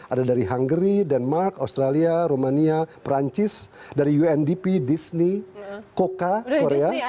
ada dari hungary denmark australia romania perancis dari undp disney koka korea